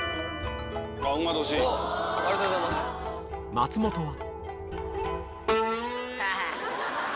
松本は？